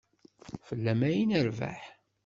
Fell-am ay nerbeḥ.